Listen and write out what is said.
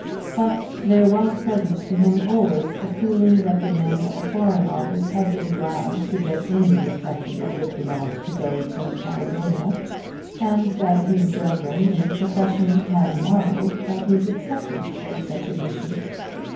But there was present to him always a feeling that the men at the Foreign Office had been glad to get any respectable diplomate to go to Patagonia, and that his brethren in the profession had marvelled at his acceptance of such a mission.